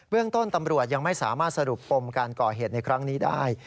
เรื่องต้นตำรวจยังไม่สามารถสรุปปมการก่อเหตุในครั้งนี้ได้